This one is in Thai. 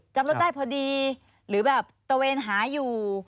รถได้พอดีหรือแบบตะเวนหาอยู่